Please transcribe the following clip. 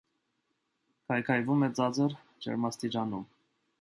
Քայքայվում է ցածր ջերմաստիճանում։